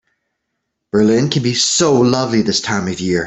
Berlin can be so lovely this time of year.